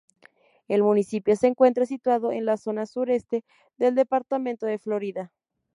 El municipio se encuentra situado en la zona sureste del departamento de Florida.